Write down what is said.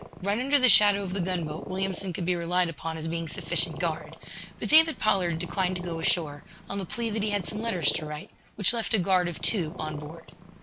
Right under the shadow of the gunboat, Williamson could be relied upon as being sufficient guard. But David Pollard declined to go ashore, on the plea that he had some letters to write, which left a guard of two on board.